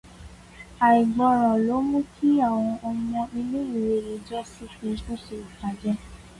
Àìgbọràn ló mú ki àwọn ọmọ iléèwé ijọ́sí fi ikú ṣe ìfàjẹ.